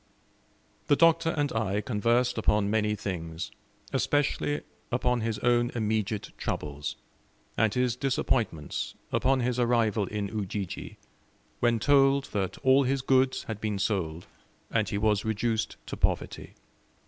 The Doctor and I conversed upon many things, especially upon his own immediate troubles, and his disappointments, upon his arrival in Ujiji, when told that all his goods had been sold, and he was reduced to poverty.